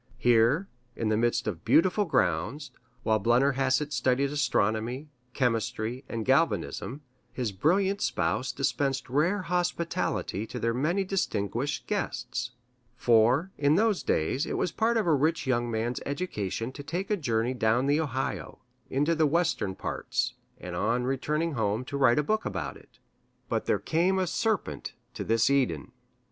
Here, in the midst of beautiful grounds, while Blennerhassett studied astronomy, chemistry, and galvanism, his brilliant spouse dispensed rare hospitality to their many distinguished guests; for, in those days, it was part of a rich young man's education to take a journey down the Ohio, into "the Western parts," and on returning home to write a book about it. But there came a serpent to this Eden.